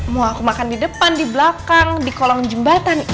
mau aku makan di depan di belakang di kolong jembatan